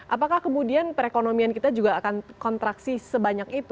apakah kemudian perekonomian kita juga akan kontraksi sebanyak itu